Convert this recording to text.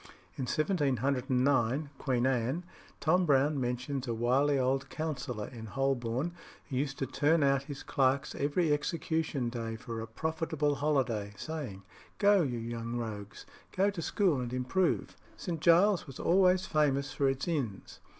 In 1709 (Queen Anne) Tom Browne mentions a wily old counsellor in Holborn who used to turn out his clerks every execution day for a profitable holiday, saying, "Go, you young rogues, go to school and improve." St. Giles's was always famous for its inns.